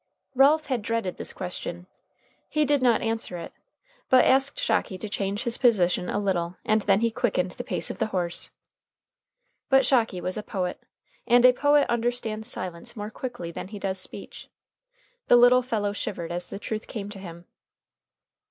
Ralph had dreaded this question. He did not answer it, but asked Shocky to change his position a little, and then he quickened the pace of the horse. But Shocky was a poet, and a poet understands silence more quickly than he does speech. The little fellow shivered as the truth came to him.